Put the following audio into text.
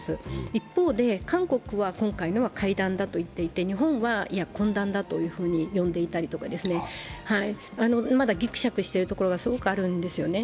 一方で、韓国は今回のは会談だと言っていて日本は、いや懇談だというふうに呼んでいたりとかまだ、ぎくしゃくしてるところがすごくあるんですよね。